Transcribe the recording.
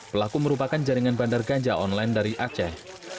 pelaku merupakan jaringan bandar ganja online dari aceh